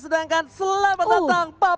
sedangkan selamat datang papang